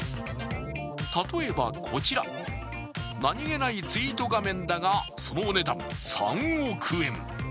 例えば、こちら、何気ないツイート画面だが、そのお値段３億円！